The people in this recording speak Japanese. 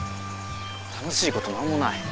楽しいこと何もない。